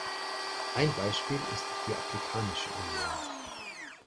Ein Beispiel ist die Afrikanische Union.